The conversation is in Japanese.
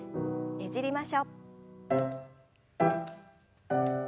ねじりましょう。